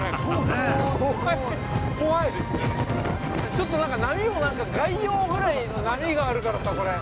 ちょっと、なんか波も外洋くらい波があるからさ、これ。